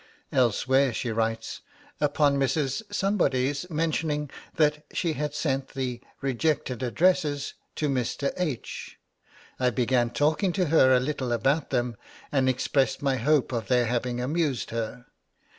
Elsewhere she writes, upon Mrs. 's mentioning that she had sent the 'Rejected Addresses' to Mr. H., 'I began talking to her a little about them, and expressed my hope of their having amused her.